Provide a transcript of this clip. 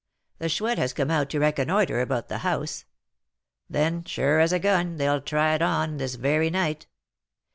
The Chouette has come out to reconnoitre about the house; then, sure as a gun, they'll "try it on" this very night!